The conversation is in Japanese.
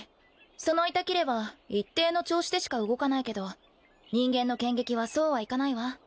その板きれは一定の調子でしか動かないけど人間の剣撃はそうはいかないわ。